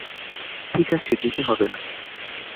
ঠিক আছে যেতে হবে না।